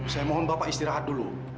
saya mohon bapak istirahat dulu